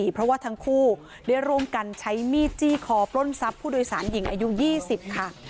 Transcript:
เพราะว่าทั้งคู่ได้ร่วมกันใช้มีดจี้คอปล้นทรัพย์ผู้โดยสารหญิงอายุ๒๐ค่ะ